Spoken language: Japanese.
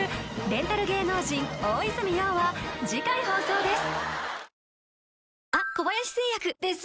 レンタル芸能人大泉洋は次回放送です